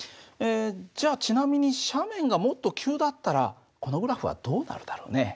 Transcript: じゃあちなみに斜面がもっと急だったらこのグラフはどうなるだろうね？